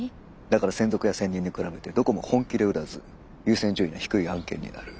だから専属や専任に比べてどこも本気で売らず優先順位が低い案件になる。